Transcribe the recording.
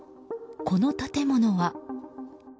この建物は。